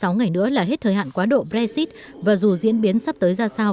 sáu ngày nữa là hết thời hạn quá độ brexit và dù diễn biến sắp tới ra sao